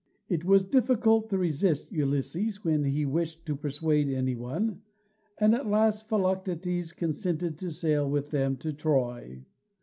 It was difficult to resist Ulysses when he wished to persuade any one, and at last Philoctetes consented to sail with them to Troy.